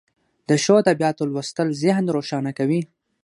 د ښو ادبیاتو لوستل ذهن روښانه کوي.